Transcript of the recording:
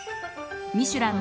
「ミシュラン」